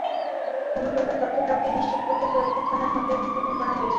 কোনো প্রকার তথ্য প্রাপ্তি নিশ্চিত করতে সৈয়দপুর থানায় হটলাইন স্থাপন করা হয়েছে।